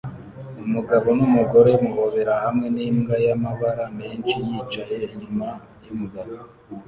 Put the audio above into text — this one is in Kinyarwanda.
Umugabo numugore muhobera hamwe nimbwa y'amabara menshi yicaye inyuma yumugabo